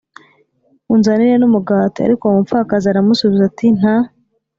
unzanire n umugati Ariko uwo mupfakazi aramusubiza ati nta